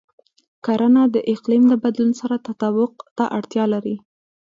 کرنه د اقلیم د بدلون سره تطابق ته اړتیا لري.